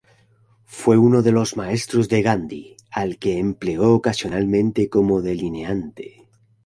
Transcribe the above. Fue uno de los maestros de Gaudí, al que empleó ocasionalmente como delineante.